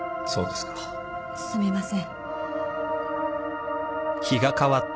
すみません。